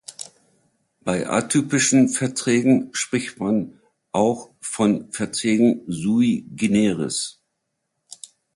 Bei atypischen Verträgen spricht man auch von Verträgen sui generis.